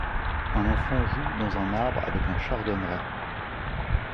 Un enfant joue dans un arbre avec un chardonneret.